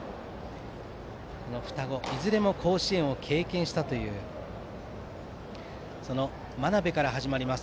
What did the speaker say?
この双子はいずれも甲子園を経験したというその真鍋から始まります。